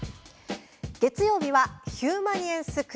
月曜日は「ヒューマニエンスＱ」